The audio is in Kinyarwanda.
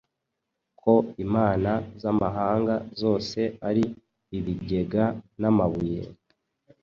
Ko imana z'amahanga zose ari ibigega n'amabuye,